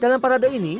dalam parade ini